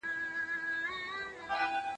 ما پرون د سبا لپاره د ژبي تمرين وکړ!!